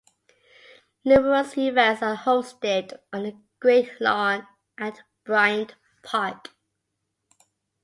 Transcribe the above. Numerous events are hosted on the Great Lawn at Bryant Park.